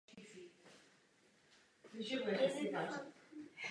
Je třeba zakázat zajišťovací fondy a zrušit daňové ráje.